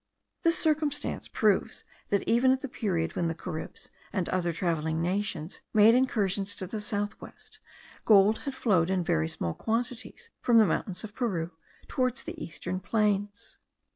This circumstance proves that even at the period when the Caribs, and other travelling nations, made incursions to the south west, gold had flowed in very small quantities from the mountains of Peru towards the eastern plains.